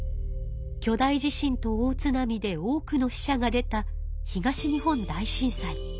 巨大地震と大津波で多くの死者が出た東日本大震災。